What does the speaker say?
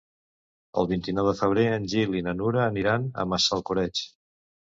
El vint-i-nou de febrer en Gil i na Nura aniran a Massalcoreig.